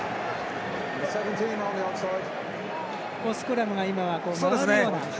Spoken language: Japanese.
スクラムが今は、回るような。